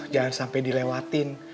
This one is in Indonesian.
jangan sampai dilewatin